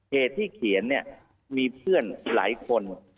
เหตุที่เขียนเนี่ยมีเพื่อนหลายคน